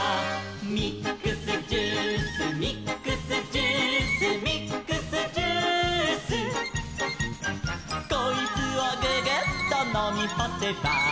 「ミックスジュースミックスジュース」「ミックスジュース」「こいつをググッとのみほせば」